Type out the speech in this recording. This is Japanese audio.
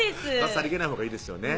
さりげないほうがいいですよね